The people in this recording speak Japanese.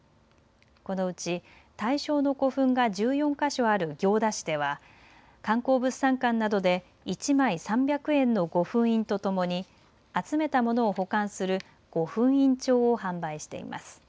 このうち対象の古墳が１４か所ある行田市では観光物産館などで１枚３００円の御墳印とともに集めたものを保管する御墳印帳を販売しています。